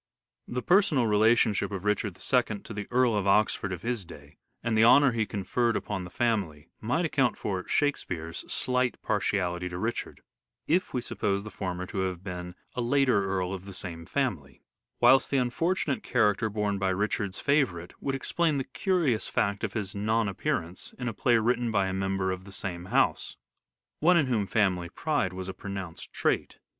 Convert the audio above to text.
The personal relationship of Richard II to the Earl Earl Robert. of Oxford of his day, and the honour he conferred upon the family, might account for "Shakespeare's" slight partiality to Richard, if we suppose the former to have been a later earl of the same family ; whilst the unfortunate character borne by Richard's favourite would explain the curious fact of his non appearance in a play written by a member of the same house, one in whom family pride was a pronounced trait.